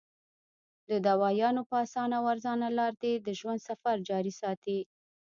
د دوايانو پۀ اسانه او ارزانه لار دې د ژوند سفر جاري ساتي -